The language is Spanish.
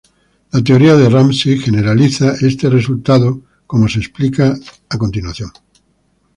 La teoría de Ramsey generaliza este resultado, como se explica a continuación.